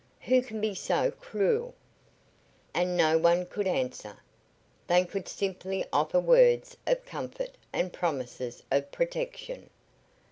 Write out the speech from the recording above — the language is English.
Who can be so cruel?" And no one could answer. They could simply offer words of comfort and promises of protection.